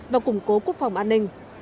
và củng cố quốc phòng an ninh